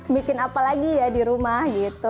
bikin apa lagi ya di rumah gitu